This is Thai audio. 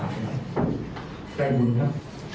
แต่วินครับ